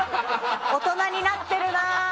大人になってるな。